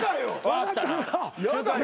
分かったな？